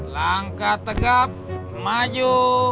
langkah tegap maju